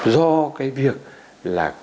do cái việc là